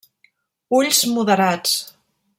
Ulls moderats.